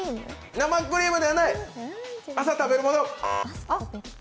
生クリームではない、朝食べるもの。